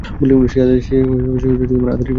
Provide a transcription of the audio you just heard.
সে আদেশ করার কে?